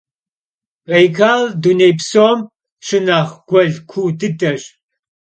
Baykal — dunêy psom şınexh guel kuu dıdeş.